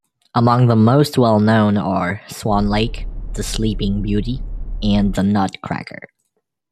Among the most well known are "Swan Lake", "The Sleeping Beauty", and "The Nutcracker".